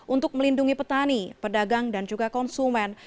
untuk melindungi petani pedagang dan juga konsumen